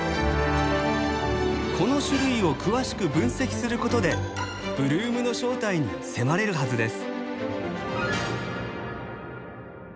この種類を詳しく分析することでブルームの正体に迫れるはずです。